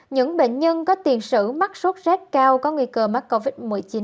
những bệnh nhân có tiền sử mắc suốt rác cao có nguy cơ mắc covid một mươi chín